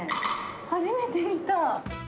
初めて見た。